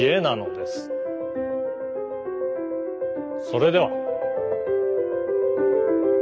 それでは。